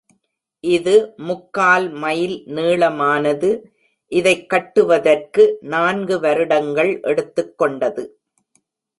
இது முக்கால் மைல் நீளமானது, இதைக் கட்டுவதற்கு நான்கு வருடங்கள் எடுத்துக் கொண்டது.